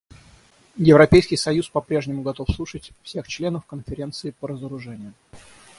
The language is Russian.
Европейский союз по-прежнему готов слушать всех членов Конференции по разоружению.